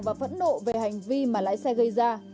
và phẫn nộ về hành vi mà lái xe gây ra